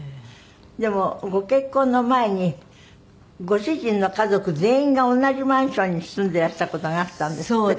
でもご結婚の前にご主人の家族全員が同じマンションに住んでいらした事があったんですって？